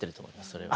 それは。